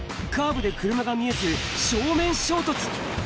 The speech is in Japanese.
カーブで車が見えず、正面衝突。